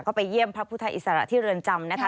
ก็ไปเยี่ยมพระพุทธอิสระที่เรือนจำนะคะ